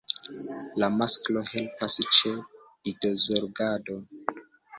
La masklo helpas ĉe idozorgado.